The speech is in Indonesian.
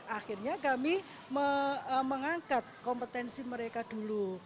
akhirnya kami mengangkat kompetensi mereka dulu